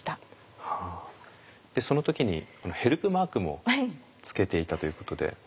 その時にヘルプマークも付けていたということで。